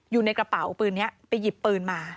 อยู่ในกระเป๋าปืนนี้ไปหยิบปืนมา